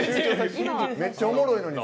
めっちゃおもろいのに。